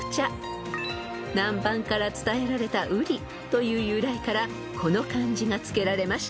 ［南蛮から伝えられた瓜という由来からこの漢字が付けられました］